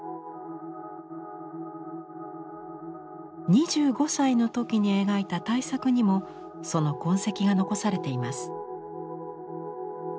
２５歳の時に描いた大作にもその痕跡が残されています。